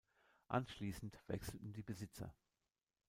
Anschließend wechselten die Besitzer.